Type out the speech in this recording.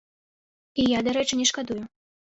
І я, дарэчы, не шкадую.